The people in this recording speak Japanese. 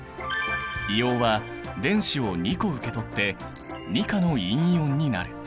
硫黄は電子を２個受け取って２価の陰イオンになる。